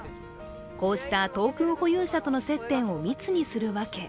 こうしたトークン保有者との接点を密にするわけ。